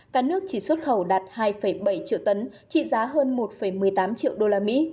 cả nước chỉ xuất khẩu đạt hai bảy triệu tấn trị giá hơn một một mươi tám triệu usd